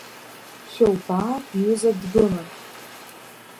Шәылбаа бҩыза дбыман.